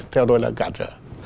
theo tôi là cạn rỡ